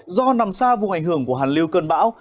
do nằm xa vùng ảnh hưởng của hàn lưu cơn bão